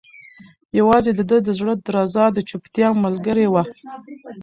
یوازې د ده د زړه درزا د چوپتیا ملګرې وه.